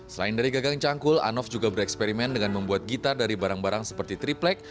selain dari gagang cangkul anov juga bereksperimen dengan membuat gitar dari barang barang seperti triplek